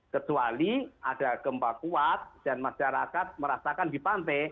kecuali ada gempa kuat dan masyarakat merasakan di pantai